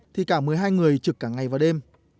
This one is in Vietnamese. thì cả một mươi hai người trực cả ngày và đêm